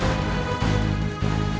aku akan menang